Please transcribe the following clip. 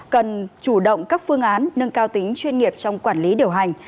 cần chủ động các phương án nâng cao tính chuyên nghiệp trong quản lý điều hành